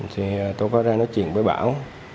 thì tôi có ra nói chuyện với bảo